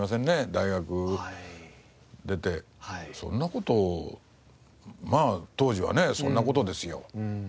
大学出てそんな事まあ当時はねそんな事ですよ。